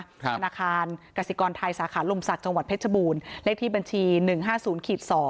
ธนาคารกสิกรไทยสาขาลมศักดิ์จังหวัดเพชรบูรณ์เลขที่บัญชี๑๕๐๒